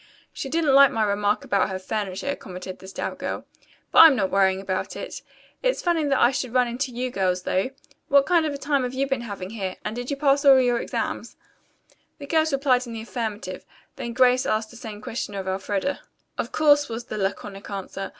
"She didn't like my remark about her furniture," commented the stout girl, "but I'm not worrying about it. It's funny that I should run into you girls, though. What kind of a time have you been having here, and did you pass all your exams?" The girls replied in the affirmative, then Grace asked the same question of Elfreda. "Of course," was the laconic answer.